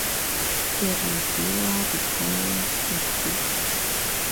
The reviewer recommends the book.